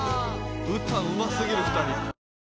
歌うま過ぎる２人。